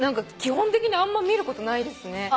基本的にあんま見ることないですね。